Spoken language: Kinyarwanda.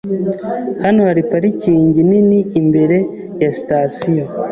Hano hari parikingi nini imbere ya sitasiyo.